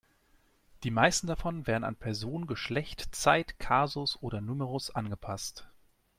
Die meisten davon werden an Person, Geschlecht, Zeit, Kasus oder Numerus angepasst.